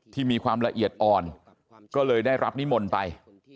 ที่มีความละเอียดอ่อนก็เลยได้รับนิมนต์ไป